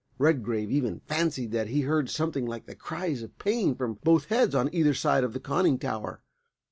Redgrave even fancied that he heard something like the cries of pain from both heads on either side of the conning tower.